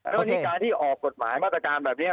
แล้ววิธีการที่ออกกฎหมายมาตรการแบบนี้